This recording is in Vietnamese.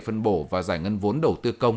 phân bổ và giải ngân vốn đầu tư công